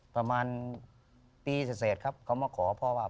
ประมาณปีเสร็จครับเขามาขอพ่อว่า